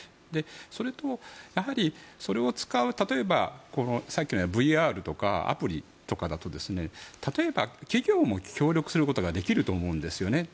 それと、やはりそれを使う例えばさっきのようなＶＲとかアプリとかだと例えば、企業も協力することができると思うんです。